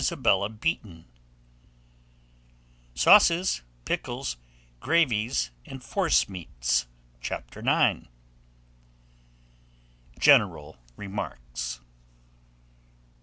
] SAUCES, PICKLES, GRAVIES, AND FORCEMEATS. CHAPTER IX. GENERAL REMARKS.